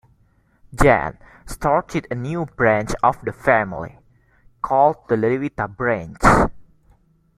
Jan started a new branch of the family, called the "Leliwita branch".